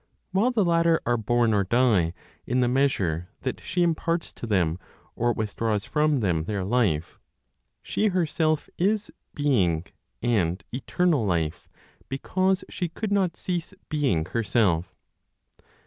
While the latter are born or die in the measure that she imparts to them, or withdraws from them their life, she herself is "being" and eternal life, because she could not cease being herself.